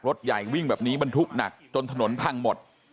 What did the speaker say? รถใหญ่วิ่งแบบนี้บรรทุกหนักจนถนนพังหมด